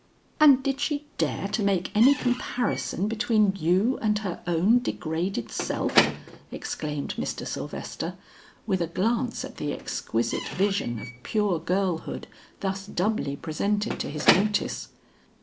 "And did she dare to make any comparison between you and her own degraded self?" exclaimed Mr. Sylvester, with a glance at the exquisite vision of pure girlhood thus doubly presented to his notice.